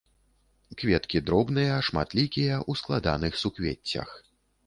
Кветкі дробныя, шматлікія, у складаных суквеццях.